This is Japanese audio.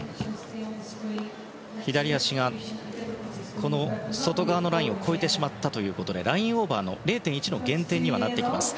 左足が外側のラインを越えてしまったということでラインオーバー０．１の減点にはなります。